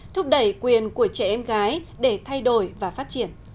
thúc đẩy quyền của trẻ em gái để thay đổi và phát triển